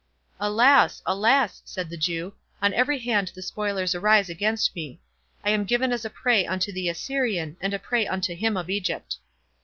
"Alas! alas!" said the Jew, "on every hand the spoilers arise against me—I am given as a prey unto the Assyrian, and a prey unto him of Egypt."